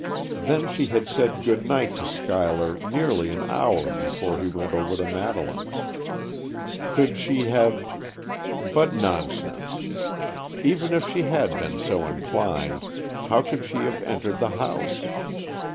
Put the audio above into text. Then she had said good night to Schuyler nearly an hour before he went over to Madeleine's. Could she have—but, nonsense! Even if she had been so inclined, how could she have entered the house?